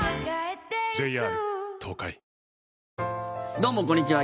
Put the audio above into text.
どうもこんにちは。